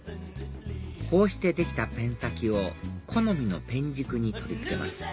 こうしてできたペン先を好みのペン軸に取り付けます